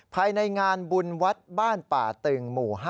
ภายในงานบุญวัดบ้านป่าตึงหมู่๕